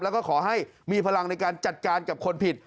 แล้วก็ขอให้มีพลังในการจัดการกับคนผิด